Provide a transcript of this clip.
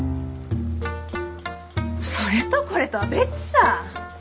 それとこれとは別さぁ！